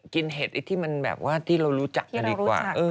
เห็ดไอ้ที่มันแบบว่าที่เรารู้จักกันดีกว่า